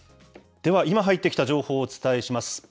では、今入ってきた情報をお伝えします。